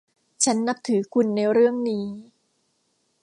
ฉันนับถือคุณในเรื่องนี้